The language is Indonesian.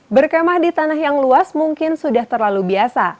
berkemah di tanah yang luas mungkin sudah terlalu biasa